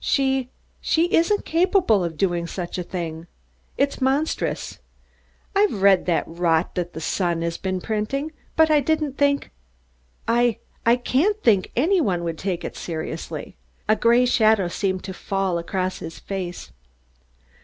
She she isn't capable of doing such a thing. It's monstrous. I've read the rot that The Sun has been printing, but I didn't think I can't think any one would take it seriously." A gray shadow seemed to fall across his face.